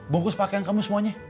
bungkus pakaian kamu semuanya